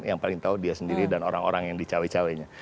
yang paling tahu dia sendiri dan orang orang yang di cawe cawe nya